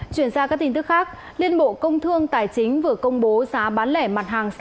chuyển sang các tin tức khác liên bộ công thương tài chính vừa công bố giá bán lẻ mặt hàng